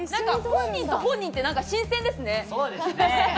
本人と本人って、なんか新鮮ですね。